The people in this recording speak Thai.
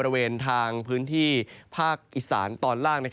บริเวณทางพื้นที่ภาคอีสานตอนล่าง